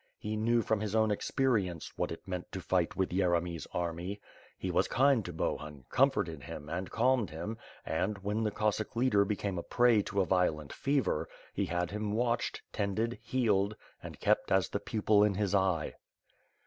He knew, from his own experien.ce, what it meant to fight with Yeremy's army. He was kind to Bo hun, comforted him and calmed him and, when the Cossack leader became a prey to a violent fever, he had him watched, tended, healed and kept as the pupil in his eye.